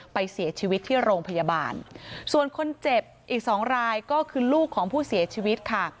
ไปเสียชีวิตที่โรงพยาบาลส่วนคนเจ็บอีกสองรายก็คือลูกของผู้เสียชีวิตค่ะ